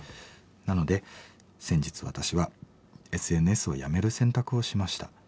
なので先日私はＳＮＳをやめる選択をしました。